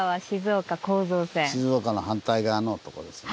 静岡の反対側のとこですね。